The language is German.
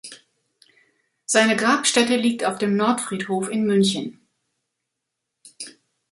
Seine Grabstätte liegt auf dem Nordfriedhof in München.